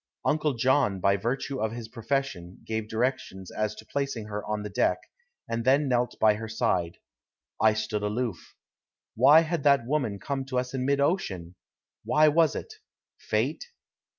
Uncle John, by virtue of his profession, gave directions as to placing her on the deck, and then knelt by her side. I stood aloof. Why had that woman come to us in mid ocean! Why was it? Fate?